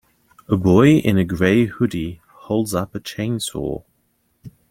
A boy in a gray hoodie holds up a chainsaw